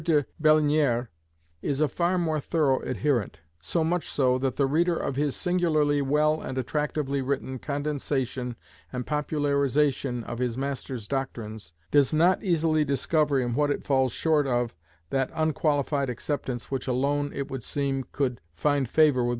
de Blignières is a far more thorough adherent; so much so, that the reader of his singularly well and attractively written condensation and popularization of his master's doctrines, does not easily discover in what it falls short of that unqualified acceptance which alone, it would seem, could find favour with M.